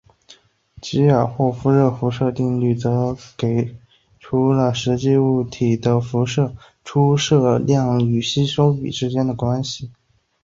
基尔霍夫热辐射定律则给出了实际物体的辐射出射度与吸收比之间的关系。